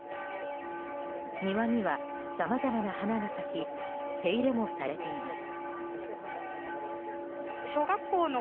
庭には、さまざまな花が咲き手入れもされています。